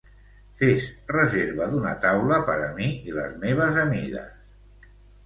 Fes reserva d'una taula per a mi i les meves amigues.